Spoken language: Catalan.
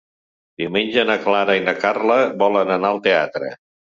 Diumenge na Clara i na Carla volen anar al teatre.